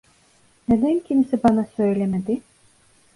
Neden kimse bana söylemedi?